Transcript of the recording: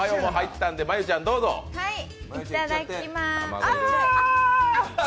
いただきますあ！